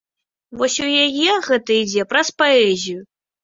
Вось у яе гэта ідзе праз паэзію.